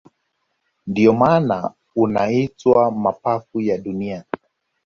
Ndio maana unaitwa mapafu ya dunia